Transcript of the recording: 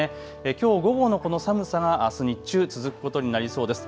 きょう午後寒さがあす日中、続くことになりそうです。